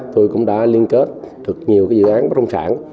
tôi cũng đã liên kết được nhiều dự án bất động sản